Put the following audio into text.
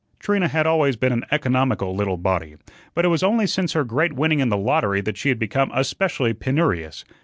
Trina had always been an economical little body, but it was only since her great winning in the lottery that she had become especially penurious.